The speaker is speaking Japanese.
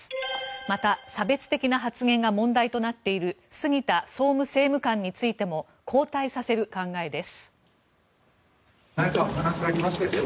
また、差別的な発言が問題となっている杉田総務政務官についても交代させる考えです。